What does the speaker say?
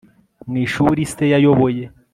mu ishuri se yayoboye